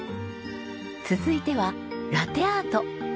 続いてはラテアート。